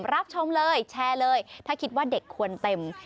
รับชมเลยแชร์เลยถ้าคิดว่าเด็กควรเต็ม